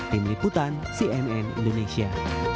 tim liputan cnn indonesia